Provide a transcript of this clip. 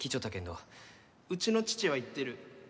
うちの父は言ってる。